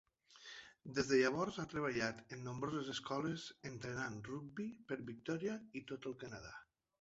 Des de llavors ha treballat en nombroses escoles entrenant rugbi per Victoria i tot el Canadà.